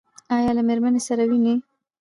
ایا له میرمنې سره وینئ؟